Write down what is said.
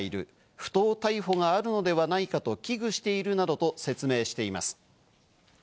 不当逮捕があるのではないかと危惧しているなどと説明しています。